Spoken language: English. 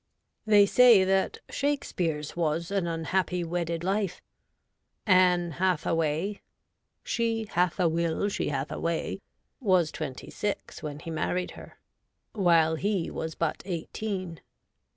They say that Shakespeare's was an unhappy wedded life. Ann Hathaway —' She hath a will, she hath a way '— was twenty six when he married her, while he was but eighteen.